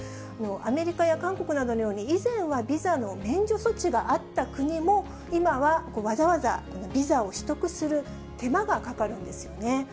アメリカや韓国などのように、以前はビザの免除措置があった国も、今は、わざわざビザを取得する手間がかかるんですよね。